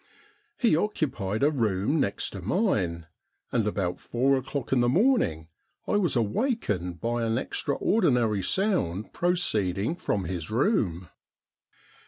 He occupied a room next to mine, and about four o'clock in the morning I was awakened by an extraordinary sound proceeding from his room.